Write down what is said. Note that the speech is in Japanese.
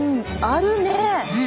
あるね。